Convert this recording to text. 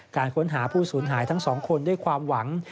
การค้นหาผู้สูญหายทั้งสองคนด้วยความหวัง